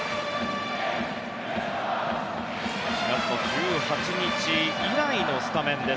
４月１８日以来のスタメンです。